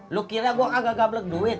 lu kira gua kagak gablek duit